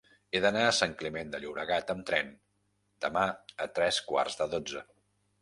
He d'anar a Sant Climent de Llobregat amb tren demà a tres quarts de dotze.